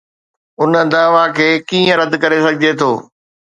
ان دعويٰ کي ڪيئن رد ڪري سگهجي ٿو؟